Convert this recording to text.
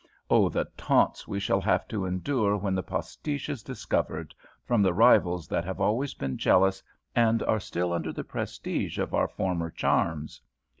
Ah, the taunts we shall have to endure when the postiche is discovered, from the rivals that have always been jealous and are still under the prestige of our former charms!